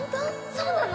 そうなの？